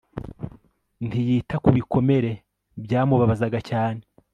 ntiyita ku bikomere byamubabazaga cyane